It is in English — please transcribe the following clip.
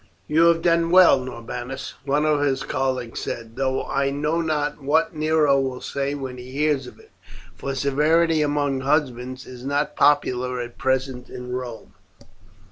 "You have done well, Norbanus," one of his colleagues said, "though I know not what Nero will say when he hears of it, for severity among husbands is not popular at present in Rome."